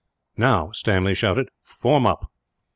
"Now," Stanley shouted, "form up."